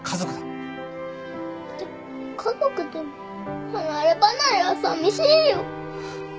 でも家族でも離れ離れはさみしいよ。